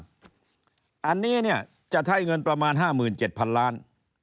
ตอนล่างอันนี้เนี่ยจะไทยเงินประมาณห้าหมื่นเจ็ดพันล้าน